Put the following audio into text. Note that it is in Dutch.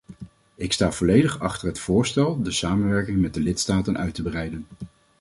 Ik sta volledig achter het voorstel de samenwerking met de lidstaten uit te breiden.